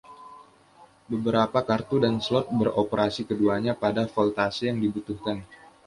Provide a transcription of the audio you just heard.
Beberapa kartu dan slot beroperasi keduanya pada voltase yang dibutuhkan.